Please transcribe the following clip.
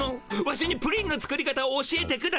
ワシにプリンの作り方を教えてくだされ。